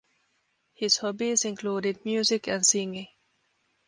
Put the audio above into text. His hobbies included music and singing.